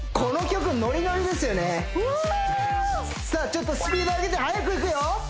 ちょっとスピード上げて速くいくよ